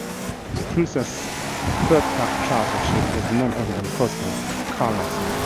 Princess's third charter ship was none other than Costa's "Carla C".